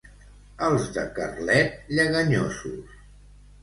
Els de Carlet, lleganyosos.